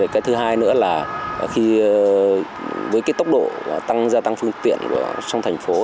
cái thứ hai nữa là với tốc độ gia tăng phương tiện trong thành phố